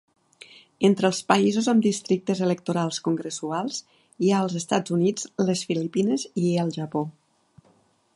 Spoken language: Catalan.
Entre els països amb districtes electorals congressuals hi ha els Estats Units, les Filipines i el Japó.